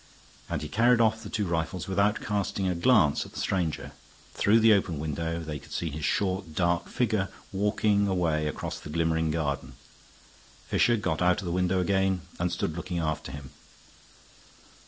And he carried off the two rifles without casting a glance at the stranger; through the open window they could see his short, dark figure walking away across the glimmering garden. Fisher got out of the window again and stood looking after him.